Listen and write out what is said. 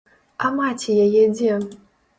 А маці яе дзе?